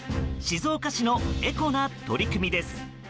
静岡市のエコな取り組みです。